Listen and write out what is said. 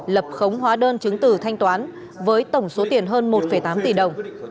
lập khống hóa đơn chứng từ thanh toán với tổng số tiền hơn một tám tỷ đồng